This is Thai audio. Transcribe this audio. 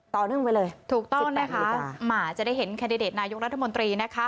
ถูกต้อนนะคะมาจะได้เห็นแคนดิเดตนายุครัฐมนตรีนะคะ